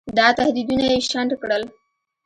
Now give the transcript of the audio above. دا تهدیدونه یې شنډ کړل.